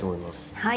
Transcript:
はい。